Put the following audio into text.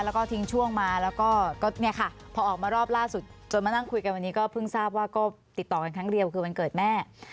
แล้วก็ทิ้งช่วงมาแล้วก็เนี่ยค่ะพอออกมารอบล่าสุดจนมานั่งคุยกันวันนี้ก็เพิ่งทราบว่าก็ติดต่อกันครั้งเดียวคือวันเกิดแม่